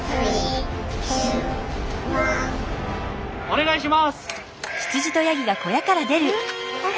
お願いします！